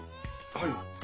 はい。